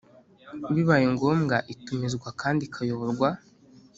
bibaye ngombwa Itumizwa kandi ikayoborwa